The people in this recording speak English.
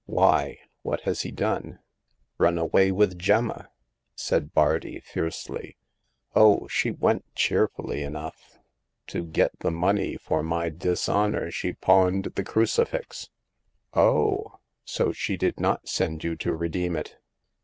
" Why ? What has he done ?"" Run away with Gemma," said Bardi, fiercely. Oh, she went cheerfully enough. To get the money for my dishonor she pawned the cruci fix." Oh. So she did not send you to redeem it